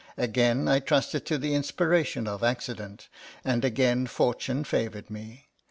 Again I trusted to the inspiration of accident, and again fortune favoured me.